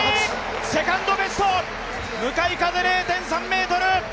セカンドベスト、向かい風０．３メートル。